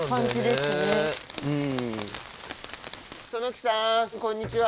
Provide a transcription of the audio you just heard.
其木さんこんにちは。